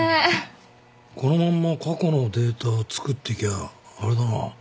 このまんま過去のデータ作っていきゃあれだな